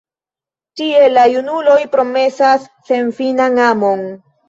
Tie la junuloj promesas senfinan amon.